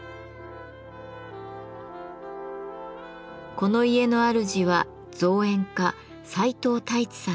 この家のあるじは造園家齊藤太一さんです。